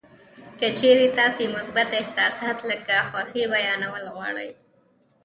که چېرې تاسې مثبت احساسات لکه خوښي بیانول غواړئ